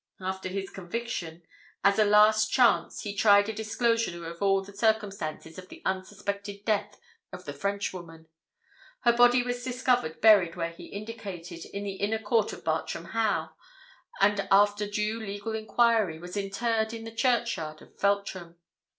After his conviction, as a last chance, he tried a disclosure of all the circumstances of the unsuspected death of the Frenchwoman. Her body was discovered buried where he indicated, in the inner court of Bartram Haugh, and, after due legal enquiry, was interred in the churchyard of Feltram.